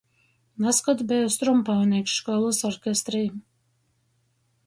Nazkod beju strumpaunīks školys orkestrī.